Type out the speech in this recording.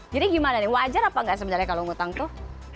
jadi gimana nih wajar apa nggak sebenarnya kalau ngutang tuh